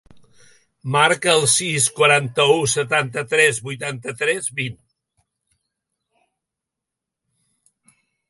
Marca el sis, quaranta-u, setanta-tres, vuitanta-tres, vint.